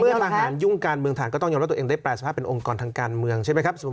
ทหารยุ่งการเมืองฐานก็ต้องยอมรับตัวเองได้แปรสภาพเป็นองค์กรทางการเมืองใช่ไหมครับ